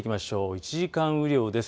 １時間雨量です。